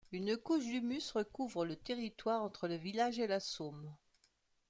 Une couche d'humus recouvre le territoire entre le village et la Somme.